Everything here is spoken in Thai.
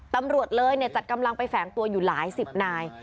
ตำรวจเลยจัดกำลังไปแฝงตัวอยู่หลายสิบนาย